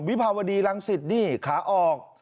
วิภาวดีรังสิตนี่ขาออก